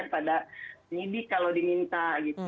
pada penyidik kalau diminta gitu